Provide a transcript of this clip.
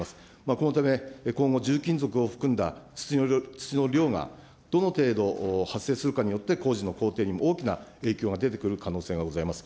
このため、今後、重金属を含んだ、土の量がどの程度発生するかによって、工事の工程にも大きな影響が出てくる可能性がございます。